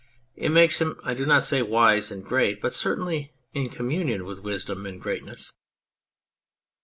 It makes him, I do not say wise and great, but certainly in communion with wisdom and greatness.